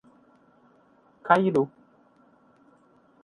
Cairu